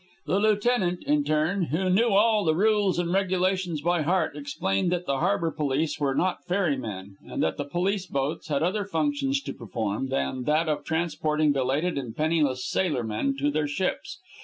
The lieutenant, in turn, who knew all the "rules and regulations" by heart, explained that the harbor police were not ferrymen, and that the police boats had other functions to perform than that of transporting belated and penniless sailor men to their ships.